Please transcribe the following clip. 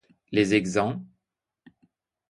Les exempts?